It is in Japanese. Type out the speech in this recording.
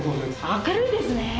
明るいですねえ。